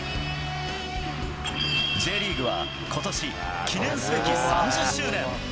Ｊリーグはことし、記念すべき３０周年。